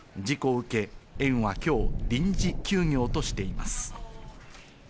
事故を受け、園は今日、臨時休業としています。